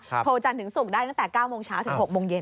โทรจันทร์ถึงศุกร์ได้ตั้งแต่๙โมงเช้าถึง๖โมงเย็น